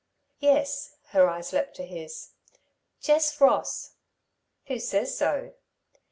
"Yes." Her eyes leapt to his. "Jess Ross!" "Who says so?"